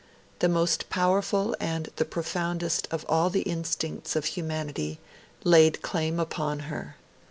The most powerful and the profoundest of all the instincts of humanity laid claim upon her.